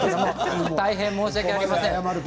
大変申し訳ありません。